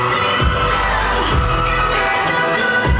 สวัสดีครับ